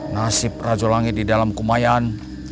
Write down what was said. nasib raja langit di dalam kumaian